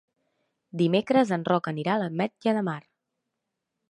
Dimecres en Roc anirà a l'Ametlla de Mar.